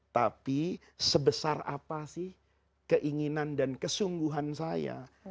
tapi sebesar apa sih keinginan dan kesungguhan saya